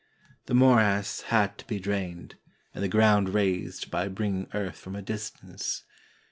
The morass had to be drained, and the ground raised 97 RUSSIA by bringing earth from a distance.